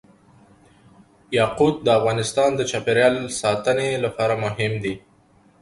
یاقوت د افغانستان د چاپیریال ساتنې لپاره مهم دي.